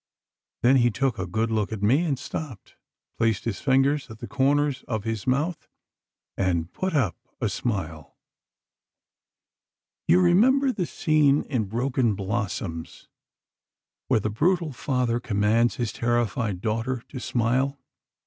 Then he took a good look at me and stopped, placed his fingers at the corners of his mouth and 'put up' a smile. "You remember the scene in 'Broken Blossoms,' where the brutal father commands his terrified daughter to smile.